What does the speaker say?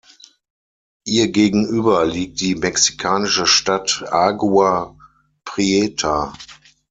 Ihr gegenüber liegt die mexikanische Stadt Agua Prieta.